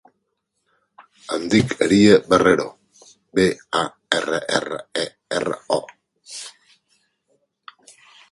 Em dic Arya Barrero: be, a, erra, erra, e, erra, o.